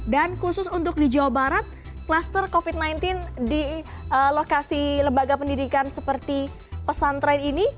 dan khusus untuk di jawa barat kluster covid sembilan belas di lokasi lembaga pendidikan seperti pesantren ini